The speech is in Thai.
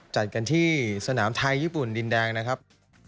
จัดกันที่สนามไทยญี่ปุ่นดินแดงนะครับ